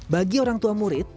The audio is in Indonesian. bagi orang tua murid